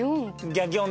「ギャギョン」